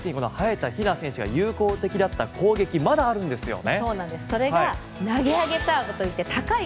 中国勢相手の早田ひな選手が有効的だった攻撃まだあるんですよね。